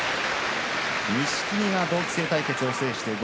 錦木が同期生対決を制しました。